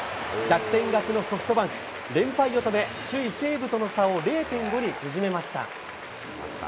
逆転勝ちのソフトバンク、連敗を止め、首位西武との差を０．５に縮めました。